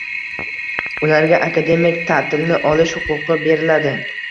Ularga akademik taʼtilni olish huquqi beriladi.